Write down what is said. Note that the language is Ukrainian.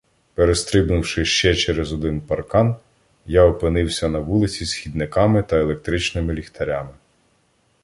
Перестрибнувши ще через один паркан, я опинився на вулиці з хідниками та електричними ліхтарями.